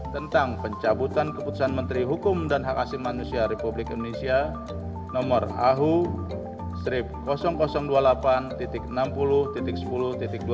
tentang pencabutan keputusan menteri hukum dan hak asli manusia republik indonesia nomor ahu dua puluh delapan enam puluh sepuluh dua puluh